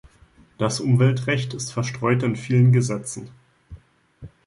Das Umweltrecht ist verstreut in vielen Gesetzen.